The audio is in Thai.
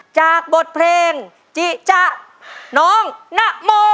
จากบทเพลงจิจะน้องนโม